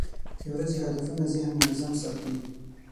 د ورځې هدفونه ذهن منظم ساتي.